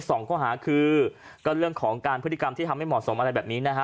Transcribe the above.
สองข้อหาคือก็เรื่องของการพฤติกรรมที่ทำให้เหมาะสมอะไรแบบนี้นะฮะ